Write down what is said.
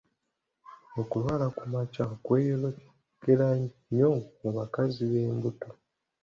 Okulwala kumakya kweyolekera nnyo mu bakazi b'embuto.